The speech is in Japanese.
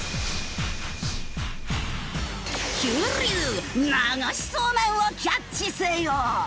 急流流しそうめんをキャッチせよ！